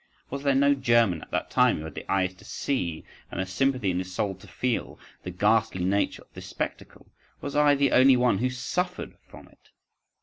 … Was there no German at that time who had the eyes to see, and the sympathy in his soul to feel, the ghastly nature of this spectacle? Was I the only one who suffered from it?